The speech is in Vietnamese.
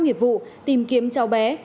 nghiệp vụ tìm kiếm cháu bé